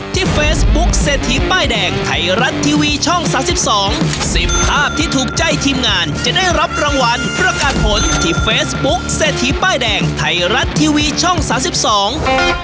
ที่เฟซบุ๊คเศรษฐีป้ายแดงไทยรัฐทีวีช่องสามสิบสองสิบภาพที่ถูกใจทีมงานจะได้รับรางวัลประกาศผลที่เฟซบุ๊คเศรษฐีป้ายแดงไทยรัฐทีวีช่องสามสิบสอง